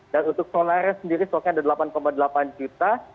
dan untuk sonar sendiri stoknya ada delapan delapan juta